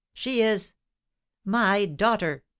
"She is " "My daughter!"